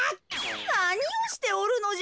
なにをしておるのじゃ。